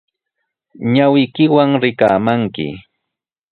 Ñawiykiwan rikaamanki